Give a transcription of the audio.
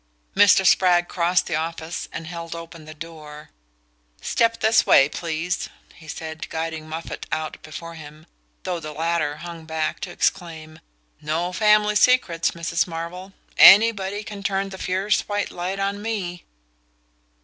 Mr. Spragg crossed the office and held open the door. "Step this way, please," he said, guiding Moffatt out before him, though the latter hung back to exclaim: "No family secrets, Mrs. Marvell anybody can turn the fierce white light on ME!"